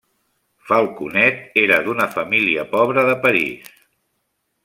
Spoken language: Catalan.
Falconet era d'una família pobra de París.